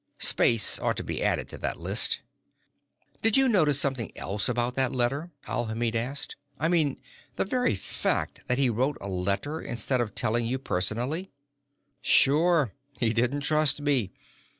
Space ought to be added to that list." "Did you notice something else about that letter?" Alhamid asked. "I mean, the very fact that he wrote a letter instead of telling you personally?" "Sure. He didn't trust me.